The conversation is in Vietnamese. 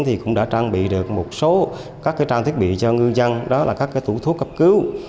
thì cũng đã trang bị được một số các trang thiết bị cho ngư dân đó là các tủ thuốc cấp cứu